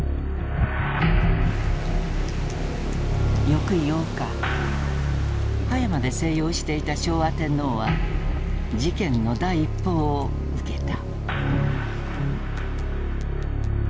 翌８日葉山で静養していた昭和天皇は事件の第一報を受けた。